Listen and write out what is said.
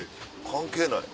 関係ない。